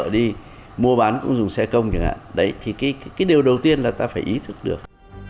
điều đầu tiên là ta phải ý thức được